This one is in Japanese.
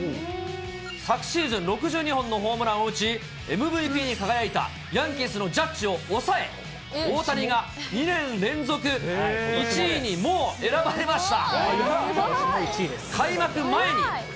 昨シーズン６２本のホームランを打ち、ＭＶＰに輝いたヤンキースのジャッジを抑え、大谷が２年連続１位にもう選ばれました。